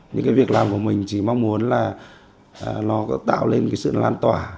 những việc làm của mình chỉ mong muốn là nó có tạo lên sự lan tỏa